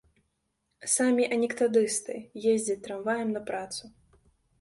Самі анекдатысты ездзяць трамваем на працу.